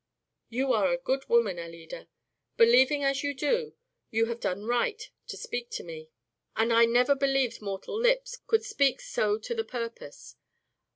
"You are a good woman, Alida. Believing as you do, you have done right to speak to me, and I never believed mortal lips could speak so to the purpose.